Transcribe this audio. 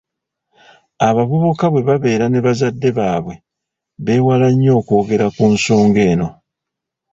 Abavubuka bwe babeera ne bazadde baabwe beewala nnyo okwogera ku nsonga eno.